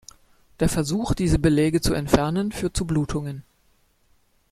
Der Versuch, diese Beläge zu entfernen, führt zu Blutungen.